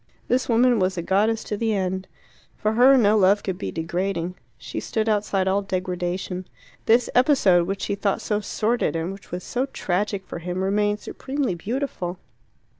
This woman was a goddess to the end. For her no love could be degrading: she stood outside all degradation. This episode, which she thought so sordid, and which was so tragic for him, remained supremely beautiful.